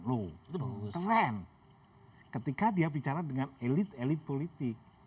loh keren ketika dia bicara dengan elit elit politik